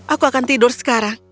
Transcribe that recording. aku akan tidur sekarang